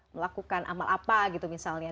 melakukan amal apa gitu misalnya